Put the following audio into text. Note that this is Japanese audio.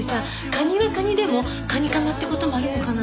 カニはカニでもカニカマって事もあるのかな？